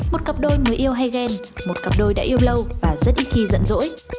một cặp đôi người yêu hay ghen một cặp đôi đã yêu lâu và rất ít khi giận dỗi